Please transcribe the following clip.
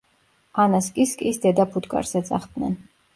ანას კი „სკის დედა ფუტკარს“ ეძახდნენ.